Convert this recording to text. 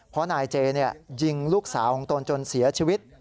เพราะนายเจยิงลูกสาวของตนจนเสียชีวิต